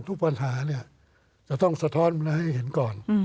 ทุกปัญหาเนี่ยจะต้องสะท้อนมาให้เห็นก่อน